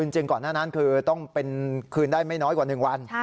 จริงก่อนหน้านั้นคือต้องเป็นคืนได้ไม่น้อยกว่า๑วัน